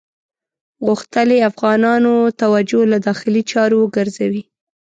غوښتل یې افغانانو توجه له داخلي چارو وګرځوي.